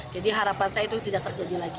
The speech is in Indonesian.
jadi harapan saya itu tidak terjadi lagi